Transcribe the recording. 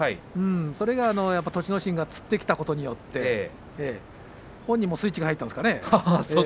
それがやっぱり栃ノ心がつってきたことによって本人もスイッチがそこでですか。